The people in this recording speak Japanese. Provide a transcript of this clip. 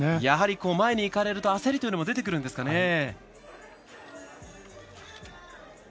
やはり前にいかれると焦りというのも出てくるんですかね。